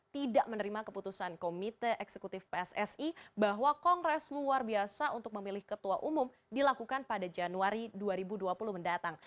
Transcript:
tidak menerima keputusan komite eksekutif pssi bahwa kongres luar biasa untuk memilih ketua umum dilakukan pada januari dua ribu dua puluh mendatang